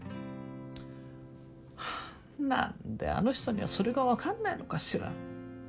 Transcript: ハァ何であの人にはそれが分かんないのかしら。